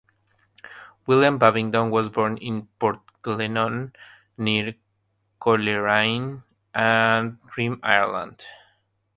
William Babington was born in Portglenone, near Coleraine, Antrim, Ireland.